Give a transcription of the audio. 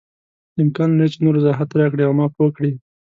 امکان لري چې نور وضاحت راکړې او ما پوه کړې.